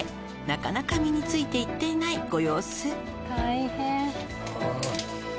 なかなか身についていっていないご様子」